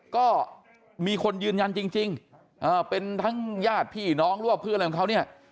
ก็มีคนยืนยันจริงเป็นทั้งญาติพี่น้องหรือว่าเพื่อนอะไรของเขาเนี่ย